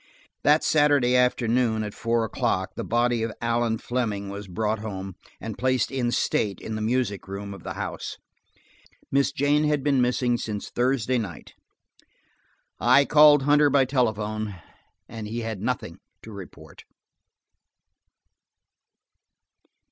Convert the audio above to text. That Saturday afternoon at four o'clock the body of Allan Fleming was brought home, and placed in state in the music room of the house. Miss Jane had been missing since Thursday night. I called Hunter by telephone, and he had nothing to report.